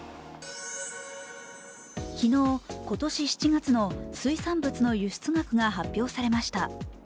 昨日、今年７月の水産物の輸出額が発表されました。